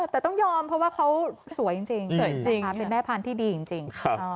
แต่ต้องยอมเพราะว่าเขาสวยจริงนะคะเป็นแม่พันธุ์ที่ดีจริง